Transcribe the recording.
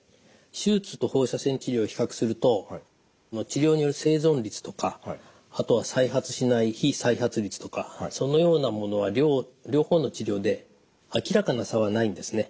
手術と放射線治療を比較すると治療による生存率とかあとは再発しない非再発率とかそのようなものは両方の治療であきらかな差はないんですね。